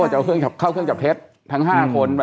จะเอาเข้าเครื่องจับเท็จทั้ง๕คน